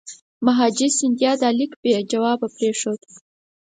مهاجي سیندیا دا لیک بې جوابه پرېښود.